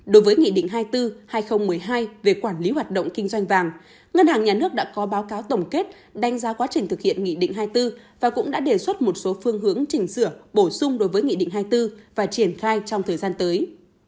đối với nghị định hai mươi bốn hai nghìn một mươi hai về quản lý hoạt động kinh doanh vàng ngân hàng nhà nước đã có báo cáo tổng kết đánh giá quá trình thực hiện nghị định hai mươi bốn và cũng đã đề xuất một số phương hướng chỉnh sửa bổ sung đối với nghị định hai mươi bốn và triển khai trong thời gian tới